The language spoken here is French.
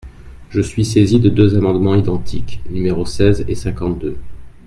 Je suis saisie de deux amendements identiques, numéros seize et cinquante-deux.